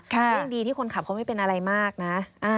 ยิ่งดีที่คนขับเขาไม่เป็นอะไรมากนะ